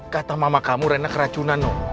kata mama kamu rena keracunan no